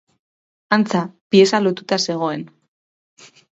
Antza, pieza lotuta zegoen.